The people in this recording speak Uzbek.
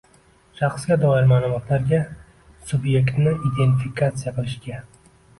Shaxsga doir ma’lumotlarga subyektni identifikatsiya qilishga